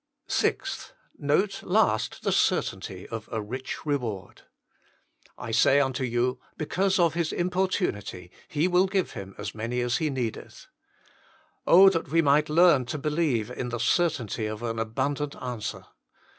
$. Note, last, the certainty of a rich reward. 40 THE MINISTRY OF INTERCESSION " I say unto you, because of his importunity, he will give him as many as he needeth." Oh that we might learn to believe in the certainty of an abundant answer.